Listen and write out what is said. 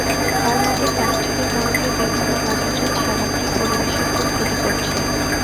তাঁর মতে, প্লাস্টিকের মোড়কে বিভিন্ন বাজারজাত সামগ্রী পরিবেশের খুব ক্ষতি করছে।